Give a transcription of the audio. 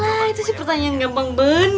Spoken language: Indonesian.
ya elah itu sih pertanyaan gampang banget